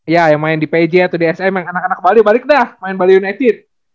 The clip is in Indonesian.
ya yang main di pj atau di sm yang anak anak bali balik dah main bali united